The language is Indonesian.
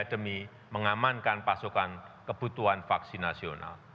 demi mengamankan pasokan kebutuhan vaksin nasional